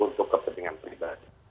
untuk kepentingan pribadi